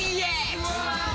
うわ！